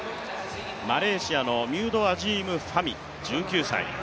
マレーシアのミュードアジーム・ファミ、１９歳。